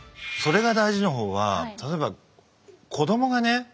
「それが大事」の方は例えば子供がね